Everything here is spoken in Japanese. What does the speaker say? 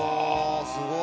すごい。